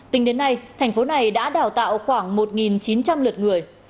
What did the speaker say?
tính đến nay thành phố này đã đào tạo khoảng một chín trăm linh lượt người